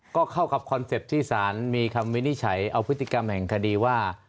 ก็เข้ากับคอนเซ็ปต์ที่สารมีคำวินิจฉัยเอาพฤติกรรมแห่งคดีว่า